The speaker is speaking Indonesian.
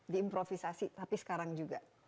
diimprovisasi tapi sekarang juga